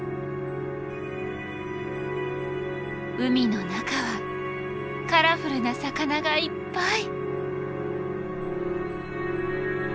海の中はカラフルな魚がいっぱい！